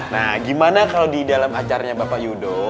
nah gimana kalau di dalam acaranya bapak yudo